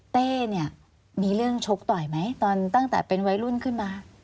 เต้เนี่ยมีเรื่องชกต่อยไหมตอนตั้งแต่เป็นวัยรุ่นขึ้นมา